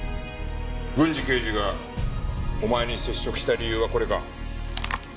郡侍刑事がお前に接触した理由はこれか。